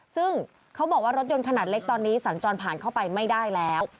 ซึ่งเขาบอกว่ารถยนต์ขนาดเล็กตอนนี้สัญจรผ่านเข้าไปไม่ได้แล้ว